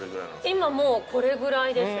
今もうこれぐらいです。